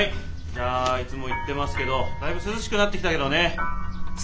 じゃあいつも言ってますけどだいぶ涼しくなってきたけどね。